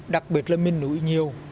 đặc biệt là miền núi nhiều